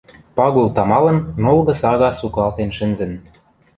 Пагул тамалын нолгы сага сукалтен шӹнзӹн